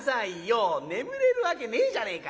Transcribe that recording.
「眠れるわけねえじゃねえか」。